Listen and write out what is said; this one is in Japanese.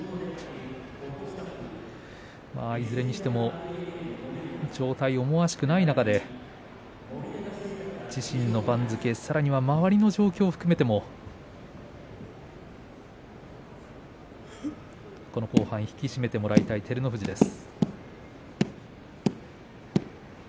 いずれにしても状態、思わしくない中で自身の番付、さらには周りの状況を含めてもこの後半、引き締めてもらいたい照ノ富士です。